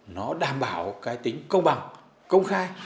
nó đảm bảo cái tính công bằng công khai